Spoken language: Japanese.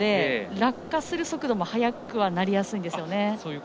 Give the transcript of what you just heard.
落下する速度も速くはなりやすいんです。